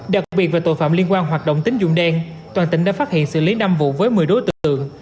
đặc biệt về tội phạm liên quan hoạt động tính dụng đen toàn tỉnh đã phát hiện xử lý năm vụ với một mươi đối tượng